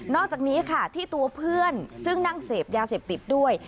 อกจากนี้ค่ะที่ตัวเพื่อนซึ่งนั่งเสพยาเสพติดด้วย